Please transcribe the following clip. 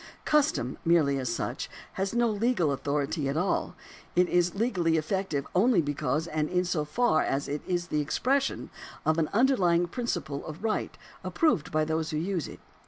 Custom, merely as such, has no legal authority at all ; it is legally effective only because and in so far as it is the expression of an underlying principle of right approved by those who use it.